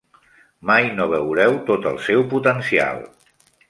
Mai no veureu tot el seu potencial.